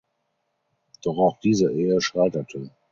Doch auch diese Ehe scheiterte.